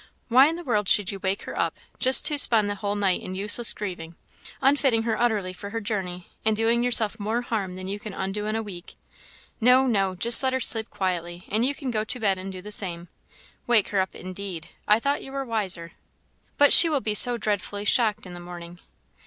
Why in the world should you wake her up, just to spend the whole night in useless grieving? unfitting her utterly for her journey, and doing yourself more harm than you can undo in a week. No, no; just let her sleep quietly, and you can go to bed and do the same. Wake her up, indeed! I thought you were wiser." "But she will be so dreadfully shocked in the morning!"